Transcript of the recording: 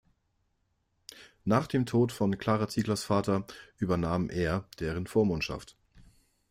Nach dem Tod von Klara Zieglers Vater übernahm er deren Vormundschaft.